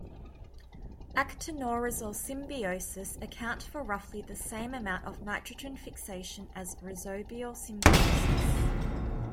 Actinorhizal symbioses account for roughly the same amount of nitrogen fixation as rhizobial symbioses.